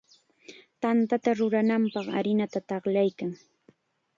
Tantata rurananpaq harinata taqllaykan.